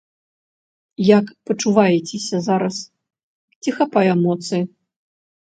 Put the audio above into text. Як пачуваецеся зараз, ці хапае моцы?